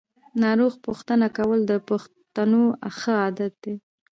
ناروغ پوښتنه کول د پښتنو ښه عادت دی.